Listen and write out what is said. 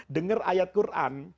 dengar ayat quran